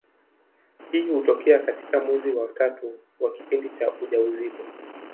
Hii hutokea katika mwezi wa tatu wa kipindi cha ujauzito.